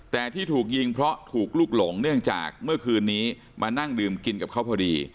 แต่ที่ถูกยิงเพราะถูกลุกหลงเนื่องจากเมื่อคืนนี้มานั่งดื่มกินกับเขาพอดี